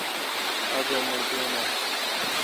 آگہ موچونہ؟